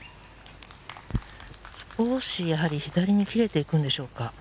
少し左に切れていくんでしょうか。